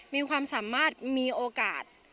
มีความสามารถมีโอกาส